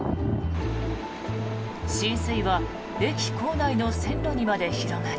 浸水は駅構内の線路にまで広がり